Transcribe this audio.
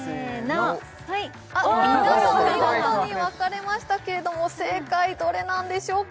ああ分かれた見事に分かれましたけれども正解どれなんでしょうか？